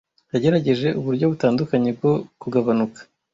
Yagerageje uburyo butandukanye bwo kugabanuka.